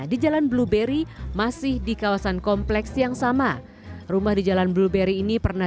di jalan blueberry masih di kawasan kompleks yang sama rumah di jalan blueberry ini pernah